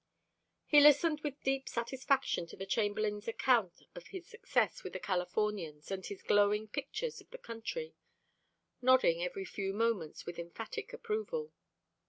He listened with deep satisfaction to the Chamberlain's account of his success with the Californians and his glowing pictures of the country, nodding every few moments with emphatic approval.